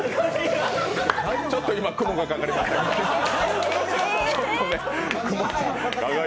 ちょっと今、雲がかかりましたが。